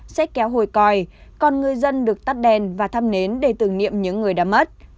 sách kéo hồi còi còn người dân được tắt đèn và thăm nến để tưởng niệm những người đã mất